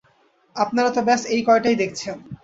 আপনারা তো ব্যস এই কয়টাই দেখছেন।